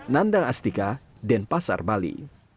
nandang astika denpasar bali